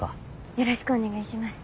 よろしくお願いします。